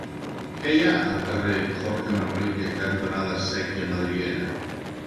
Què hi ha al carrer Jorge Manrique cantonada Sèquia Madriguera?